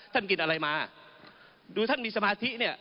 กินอะไรมาดูท่านมีสมาธิเนี่ย